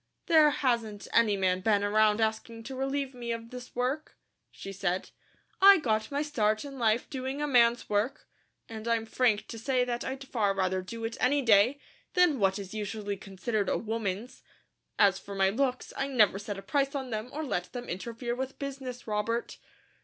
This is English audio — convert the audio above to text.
"There hasn't any man been around asking to relieve me of this work," she said. "I got my start in life doing a man's work, and I'm frank to say that I'd far rather do it any day, than what is usually considered a woman's. As for my looks, I never set a price on them or let them interfere with business, Robert."